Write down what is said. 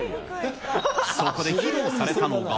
そこで披露されたのが。